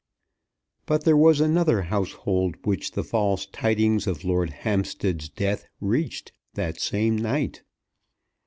But there was another household which the false tidings of Lord Hampstead's death reached that same night.